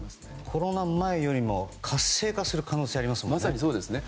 コロナ前より活性化する可能性がありますね。